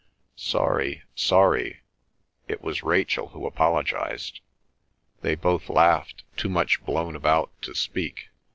"Sorry." "Sorry." It was Rachel who apologised. They both laughed, too much blown about to speak.